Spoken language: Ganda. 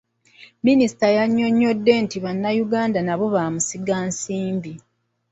Minisita yannyonnyodde nti bannayuganda nabo bamusigansimbi.